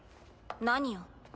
何よ？